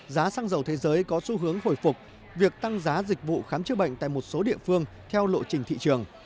giá xăng dầu thế giới có xu hướng hồi phục việc tăng giá dịch vụ khám chữa bệnh tại một số địa phương theo lộ trình thị trường